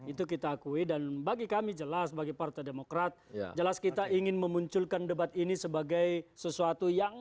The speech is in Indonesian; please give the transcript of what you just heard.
itu kita akui dan bagi kami jelas bagi partai demokrat jelas kita ingin memunculkan debat ini sebagai sesuatu yang